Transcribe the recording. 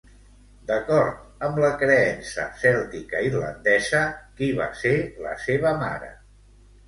D'acord amb la creença cèltica irlandesa, qui va ser la seva mare?